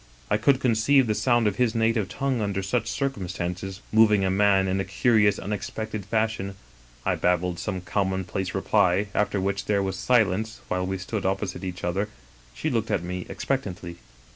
I could conceive the sound of his native tongue under such circumstances moving a man in a curious unexpected fashion. " I babbled some commonplace reply, after which there was silence while we stood opposite each other, she look ing at me expectantly.